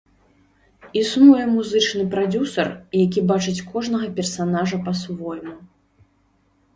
Існуе музычны прадзюсар, які бачыць кожнага персанажа па-свойму.